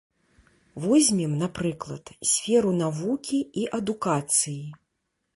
Возьмем, напрыклад, сферу навукі і адукацыі.